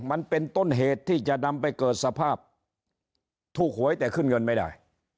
มันเป็นต้นเหตุที่จะนำไปเกิดสภาพถูกหวยแต่ขึ้นเงินไม่ได้